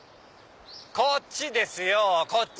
こっちですよこっち！